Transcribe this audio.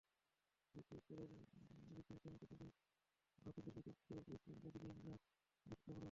বিজ্ঞ ইফতেখার ততোধিক ভাবগম্ভীর কণ্ঠে জবাব দিয়েছিলেন, ব্রাজিিলয়ানরাও গরিব, আমরাও গরিব।